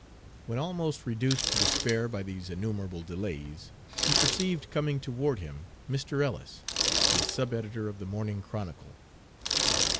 When almost reduced to despair by these innumerable delays, he perceived, coming toward him, Mr. Ellis, the sub editor of the Morning Chronicle.